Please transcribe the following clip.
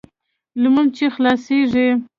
لمونځ چې خلاصېږي.